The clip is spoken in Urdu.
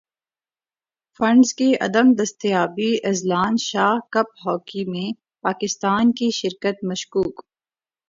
فنڈز کی عدم دستیابی اذلان شاہ کپ ہاکی میں پاکستان کی شرکت مشکوک